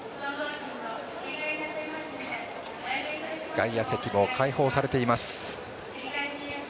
外野席も開放されています。